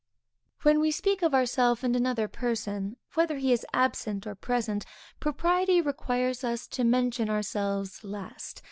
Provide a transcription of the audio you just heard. When we speak of ourself and another person, whether he is absent or present, propriety requires us to mention ourselves last.